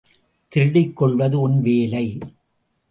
திருடிக் கொள்வது உன் வேலை.